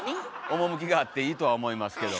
趣があっていいとは思いますけど。